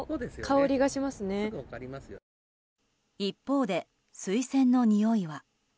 一方でスイセンのにおいは。